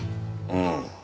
うん。